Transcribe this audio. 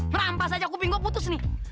merampas aja kuping gue putus nih